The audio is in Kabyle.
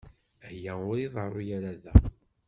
Aya ur iḍerru ara da.